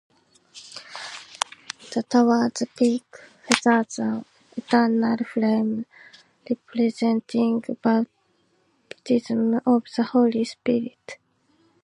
The tower's peak features an eternal flame representing Baptism of the Holy Spirit.